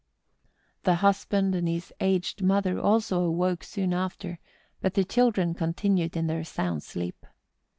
The husband and his aged mother also awoke soon after, but the children continued in their sound sleep.